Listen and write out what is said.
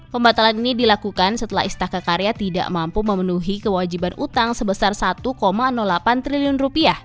pembatalan ini dilakukan setelah istaka karya tidak mampu memenuhi kewajiban utang sebesar rp satu delapan triliun